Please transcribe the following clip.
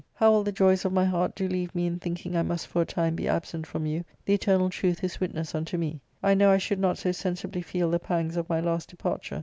How all the joys of my heart do leave me in thinking I must for a time be absent from you, the eternal truth is witness unto me. I know I should not so sensibly feel the pangs of my last departure.